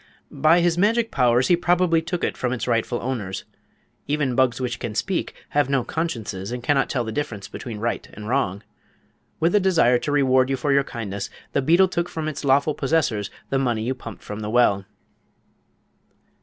"By his magic powers he probably took it from its rightful owners. Even bugs which can speak have no consciences and cannot tell the difference between right and wrong. With a desire to reward you for your kindness the beetle took from its lawful possessors the money you pumped from the well."